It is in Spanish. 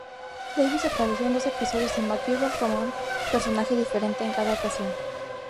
Davis apareció en dos episodios de MacGyver como un personaje diferente en cada ocasión.